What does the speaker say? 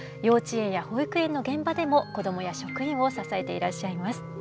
幼稚園や保育園の現場でも子どもや職員を支えていらっしゃいます。